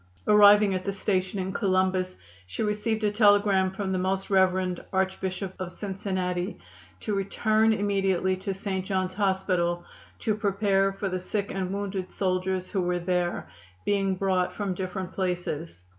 Arriving at the station in Columbus she received a telegram from the Most Rev. Archbishop of Cincinnati to return immediately to St. John's Hospital to prepare for the sick and wounded soldiers who were there, being brought from different places.